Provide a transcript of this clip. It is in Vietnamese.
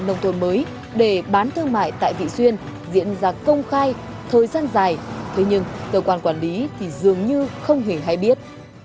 nông thôn mới để bán thương mại tại vị xuyên diễn ra công khai thời gian dài thế nhưng cơ quan quản lý thì dường như không hề hay biết